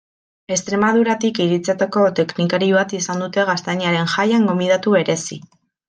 Extremaduratik iritsitako teknikari bat izan dute Gaztainaren Jaian gonbidatu berezi.